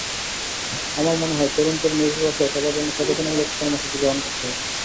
আমার মনে হয়, তরুণ-তরুণী, অভিভাবকসহ সবার জন্য সচেতনতামূলক কর্মসূচি গ্রহণ করতে হবে।